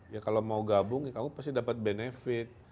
ya kalau mau gabung ya kamu pasti dapat benefit